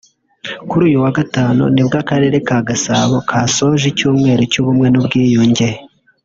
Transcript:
Kuri uyu wa Gatanu nibwo Akarere ka Gasabo kasoje icyumweru cy’ubumwe n’ubwiyunge